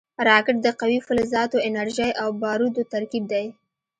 راکټ د قوي فلزاتو، انرژۍ او بارودو ترکیب دی